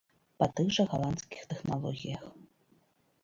Па тых жа галандскіх тэхналогіях.